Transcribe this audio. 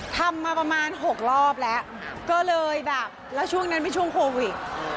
ทำมาประมาณ๖รอบแล้วก็เลยแบบแล้วช่วงนั้นเป็นช่วงโควิด